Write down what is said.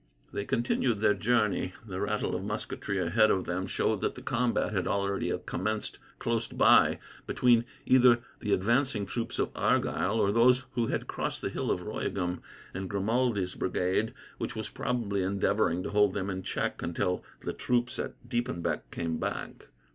They continued their journey. The rattle of musketry, ahead of them, showed that the combat had already commenced close by; between either the advancing troops of Argyle, or those who had crossed the hill of Royegham; and Grimaldi's brigade, which was probably endeavouring to hold them in check, until the troops at Diepenbeck came back.